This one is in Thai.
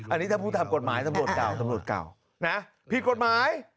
อันนี้ถ้าพูดตามกฎหมายสำรวจเก่านะผิดกฎหมาย